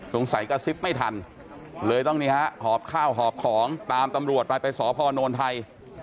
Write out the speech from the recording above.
กระซิบไม่ทันเลยต้องนี่ฮะหอบข้าวหอบของตามตำรวจไปไปสพนไทย